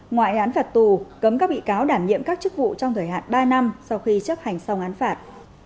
ngoài án phạt tù cấm các bị cáo đảm nhiệm các chức vụ trong thời hạn ba năm sau khi chấp hành xong án phạt